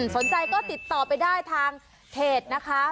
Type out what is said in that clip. สนใจก็ติดต่อไปได้ทางเพจนะคะ